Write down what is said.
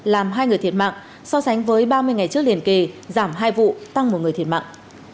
làm hai người thiệt mạng so sánh với ba mươi ngày trước liên kỳ giảm hai vụ tăng một người thiệt mạng